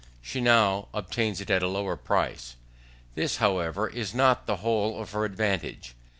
She now obtains it at a lower price. This, however, is not the whole of her advantage.